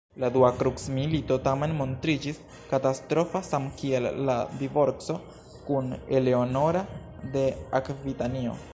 La dua krucmilito tamen montriĝis katastrofa, samkiel la divorco kun Eleanora de Akvitanio.